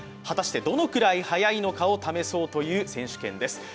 果たしてどのくらい早いのかを試そうという選手権です。